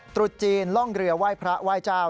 ตรุษจีนล่องเรือไหว้พระไหว้เจ้า